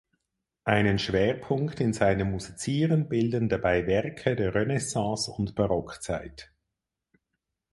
Einen Schwerpunkt in seinem Musizieren bilden dabei Werke der Renaissance und Barockzeit.